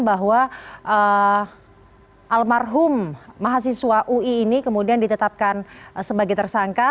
bahwa almarhum mahasiswa ui ini kemudian ditetapkan sebagai tersangka